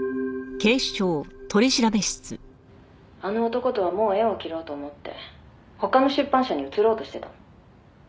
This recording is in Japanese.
「あの男とはもう縁を切ろうと思って他の出版社に移ろうとしてたの」